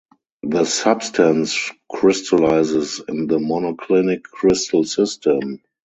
The substance crystallizes in the monoclinic crystal system.